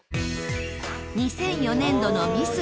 ２００４年度のミス